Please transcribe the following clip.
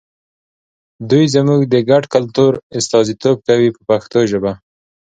دوی زموږ د ګډ کلتور استازیتوب کوي په پښتو ژبه.